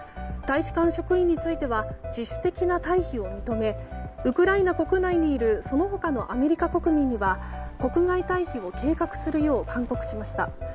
大使館職員については自主的な退避を認めウクライナ国内にいるその他のアメリカ国民には国外退避を計画するよう勧告しました。